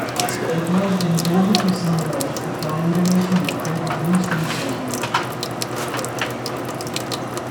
It was intended to symbolize the triangulation method used in surveying.